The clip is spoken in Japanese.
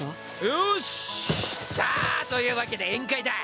よしじゃあというわけで宴会だ！